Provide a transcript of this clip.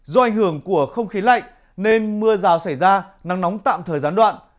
do ảnh hưởng của không khí lạnh nên mưa rào xảy ra nắng nóng tạm thời gián đoạn